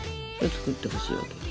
作ってほしいわけよ。